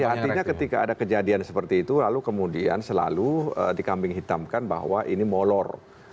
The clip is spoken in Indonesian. ya artinya ketika ada kejadian seperti itu lalu kemudian selalu dikambing hitamkan bahwa ini molor